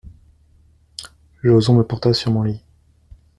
Joson me porta sur mon lit.